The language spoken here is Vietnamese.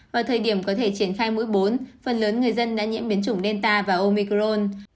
vào thời điểm có thể triển khai mũi bốn phần lớn người dân đã nhiễm biến chủng delta và omicron